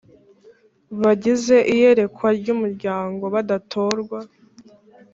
bagize iyerekwa ry umuryango badatorwa